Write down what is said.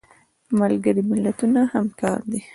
ملګري ملتونه همکار دي